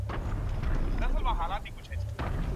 هغه وویل چې هره ورځ د نباتاتو خوړل انسان له سرطان څخه ساتي.